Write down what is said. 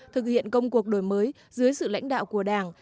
thực hiện công cuộc đổi mới dưới sự lãnh đạo của đảng